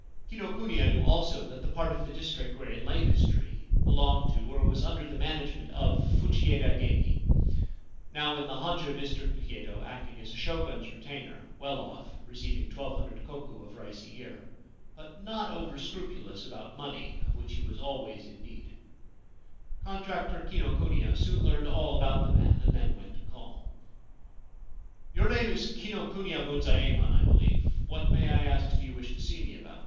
Kinokuniya knew also that the part of the district wherein lay this tree belonged to or was under the management of Fujieda Geki, now in the Honjo district of Yedo acting as a Shogun's retainer, well off (receiving 1200 koku of rice a year), but not 1 Shelves. 2 Kakumono corner post. 354 The Camphor Tree Tomb over scrupulous about money, of which he was always in need. Contractor Kinokuniya soon learned all about the man, and then went to call. 'Your name is Kinokuniya Bunzaemon, I believe. What, may I ask, do you wish to see me about